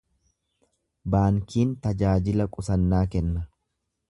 Baankiin tajaajila qusannaa kenna.